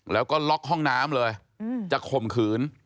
แล้วก็ล็อกห้องน้ำเลยจะข่มขืน